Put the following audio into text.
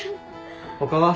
他は？